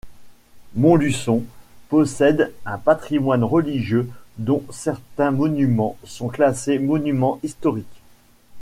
Montluçon possède un patrimoine religieux dont certains monuments sont classés monument historique.